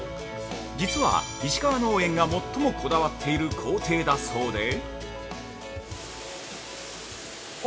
実は、石川農園が最もこだわっている工程だそうで。